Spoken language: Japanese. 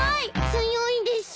強いです。